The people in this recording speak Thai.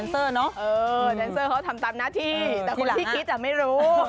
ดันเซอร์เนอะเออดันเซอร์เขาทำตามหน้าที่แต่คนที่คิดอ่ะไม่รู้